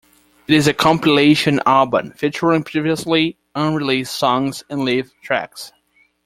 It is a compilation album featuring previously unreleased songs and live tracks.